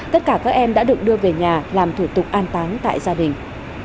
tất cả các em đã được đưa về nhà làm thủ tục an táng tại gia đình